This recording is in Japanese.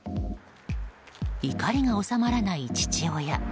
怒りが収まらない父親。